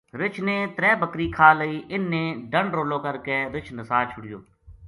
رچھ نے ترے بکری کھا لئی انھ نے ڈنڈ رولو کر کے رچھ نسا چھُڑیو